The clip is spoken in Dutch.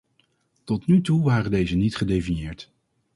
Tot nu toe waren deze niet gedefinieerd.